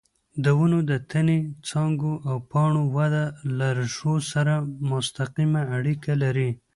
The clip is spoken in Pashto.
د ونو د تنې، څانګو او پاڼو وده له ریښو سره مستقیمه اړیکه لري.